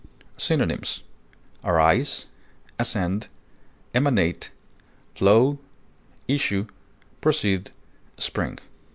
Synonyms: arise, ascend, emanate, flow, issue, proceed, spring.